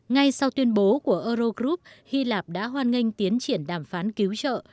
ngay sau tuyên bố của eurogroup hy lạp đã hoan nghênh tiến triển đàm phán cứu trợ